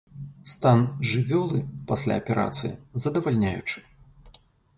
Стан жывёлы пасля аперацыі здавальняючы.